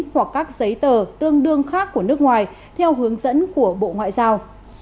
hoặc các giấy tờ tương đương khác của nước ngoài theo hướng dẫn của bộ ngoại giao